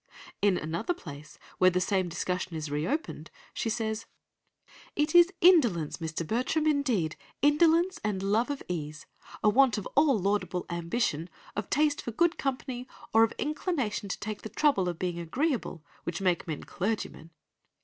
In another place, where the same discussion is reopened, she says: "'It is indolence, Mr. Bertram, indeed—indolence and love of ease—a want of all laudable ambition, of taste for good company, or of inclination to take the trouble of being agreeable, which make men clergymen.